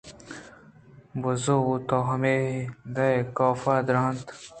بُزو! تو ہمدائے کاف ءَ درّائینت